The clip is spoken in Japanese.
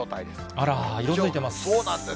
あら、色づいてます。